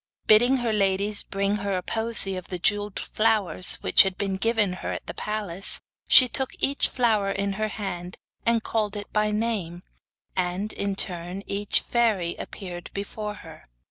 Bidding her ladies bring her the posy of jewelled flowers which had been given her at the palace, she took each flower in her hand and called it by name, and, in turn, each fairy appeared before her.